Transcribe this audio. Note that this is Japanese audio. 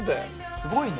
すごいね。